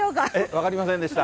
分かりませんでした。